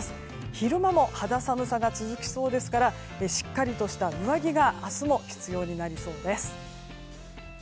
昼間も肌寒さが続きそうですからしっかりとした上着が明日も必要になりそうです。